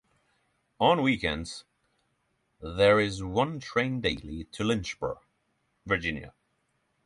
On weekends, there is one train daily to Lynchburg, Virginia.